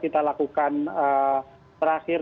kita lakukan terakhir